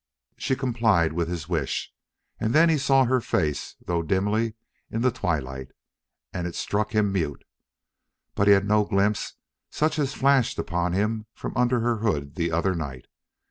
She complied with his wish, and then he saw her face, though dimly, in the twilight. And it struck him mute. But he had no glimpse such as had flashed upon him from under her hood that other night.